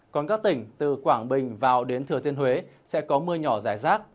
còn các tỉnh từ quảng bình vào đến thừa thiên huế sẽ có mưa nhỏ rải rác